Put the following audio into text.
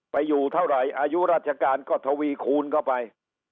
อยู่เท่าไหร่อายุราชการก็ทวีคูณเข้าไป